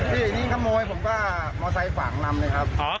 พี่นี่ขโมยผมก็มอเตอร์ไซค์ฝั่งลำเลยครับ